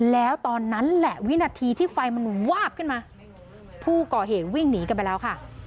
แล้วตอนนั้นแหละวินาทีที่ไฟมันวาบขึ้นมาผู้ก่อเหตุวิ่งหนีกันไปแล้วค่ะ